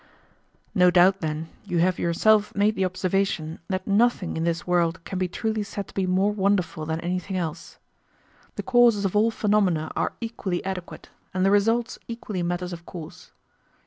No doubt, then, you have yourself made the observation that nothing in this world can be truly said to be more wonderful than anything else. The causes of all phenomena are equally adequate, and the results equally matters of course.